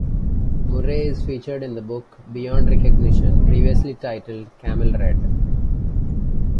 Murray is featured in the book "Beyond Recognition", previously titled "Camel Red".